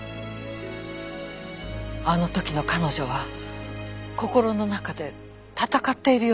あの時の彼女は心の中で戦っているように見えた。